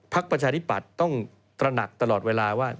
ประชาธิปัตย์ต้องตระหนักตลอดเวลาว่า